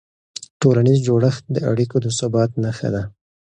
ټولنیز جوړښت د اړیکو د ثبات نښه ده.